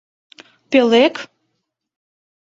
— Пӧлек?